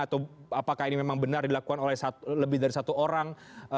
atau apakah ini memang benar dilakukan oleh lebih dari satu orang